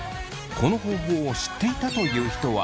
この方法を知っていたという人は４１．５％。